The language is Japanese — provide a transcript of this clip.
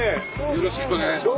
よろしくお願いします。